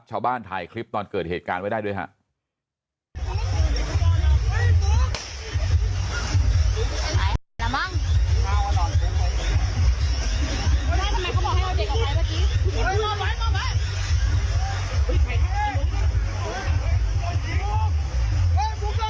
ชาวบ้านถ่ายคลิปตอนเกิดเหตุการณ์ไว้ได้ด้วยครับ